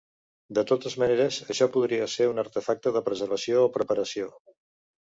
De totes maneres, això podria ser un artefacte de preservació o preparació.